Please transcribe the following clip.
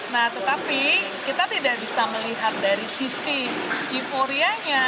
nah tetapi kita tidak bisa melihat dari sisi euforianya